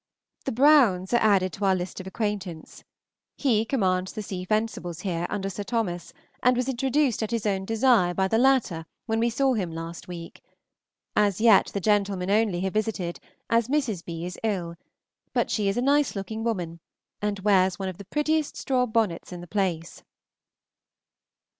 The Browns are added to our list of acquaintance. He commands the Sea Fencibles here, under Sir Thomas, and was introduced at his own desire by the latter when we saw him last week. As yet the gentlemen only have visited, as Mrs. B. is ill; but she is a nice looking woman, and wears one of the prettiest straw bonnets in the place.